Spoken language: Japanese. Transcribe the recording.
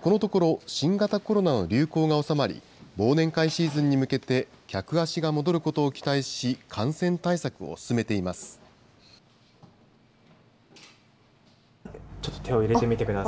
このところ、新型コロナの流行が収まり、忘年会シーズンに向けて客足が戻ることを期待し、感染対策を進めちょっと手を入れてみてくだ